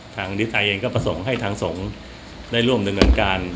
ฤทัยเองก็ประสงค์ให้ทางสงฆ์ได้ร่วมดำเนินการ